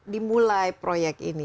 dimulai proyek ini